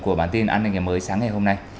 của bản tin an ninh ngày mới sáng ngày hôm nay